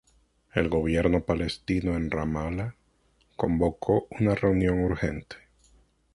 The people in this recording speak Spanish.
El Gobierno palestino en Ramala convocó una reunión urgente.